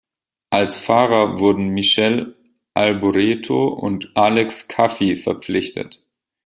Als Fahrer wurden Michele Alboreto und Alex Caffi verpflichtet.